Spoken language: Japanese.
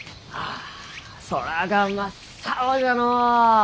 あ空が真っ青じゃのう！